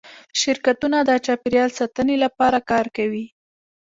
شرکتونه د چاپیریال ساتنې لپاره کار کوي؟